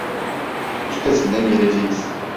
Üstesinden geleceğiz.